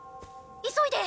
急いで！